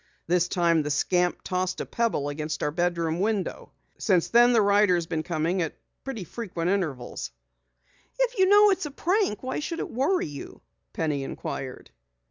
This time the scamp tossed a pebble against our bedroom window. Since then the rider has been coming at fairly frequent intervals." "If you know it's a prank why should it worry you?" Penny inquired.